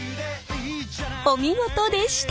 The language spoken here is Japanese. お見事でした！